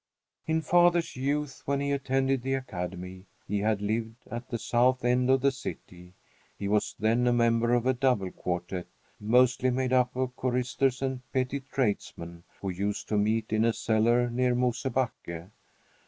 In father's youth, when he attended the Academy, he had lived at the south end of the city. He was then a member of a double quartette, mostly made up of choristers and petty tradesmen, who used to meet in a cellar near Mosebacke.